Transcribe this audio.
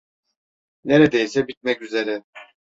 Neredeyse bitmek üzere.